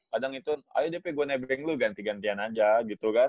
kadang itun ayo deh gue nebeng lu ganti gantian aja gitu kan